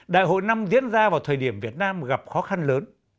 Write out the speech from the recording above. đại hội năm diễn ra vào thời điểm việt nam gặp khó khăn lớn